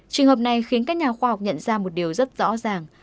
trường hợp này khiến các nhà khoa học nhận ra một điều rất rõ ràng